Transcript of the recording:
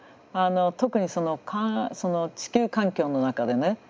特にその地球環境の中でね